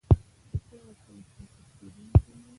چي ته ورته مخاطب کېدونکی يې